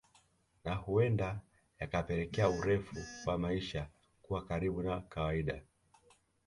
Na huenda yakapelekea urefu wa maisha kuwa karibu na kawaida